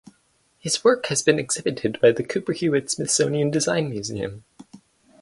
His work has been exhibited by the Cooper Hewitt Smithsonian Design Museum.